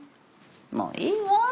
もういいわ。